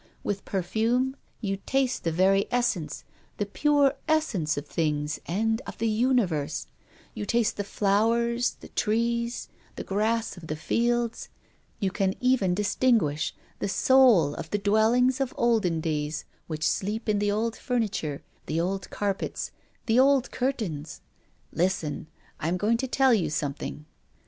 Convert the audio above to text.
With perfume you taste the very essence, the pure essence of things and of the universe you taste the flowers, the trees, the grass of the fields; you can even distinguish the soul of the dwellings of olden days which sleep in the old furniture, the old carpets, the old curtains. Listen! I am going to tell you something.